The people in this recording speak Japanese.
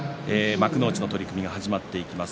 幕内の取組が始まっていきます。